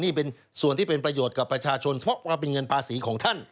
นี่เป็นส่วนที่เป็นประโยชน์กับประชาชนเพราะว่าเป็นเงินภาษีของท่าน